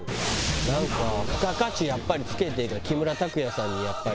なんか付加価値やっぱり付けて木村拓哉さんにやっぱり。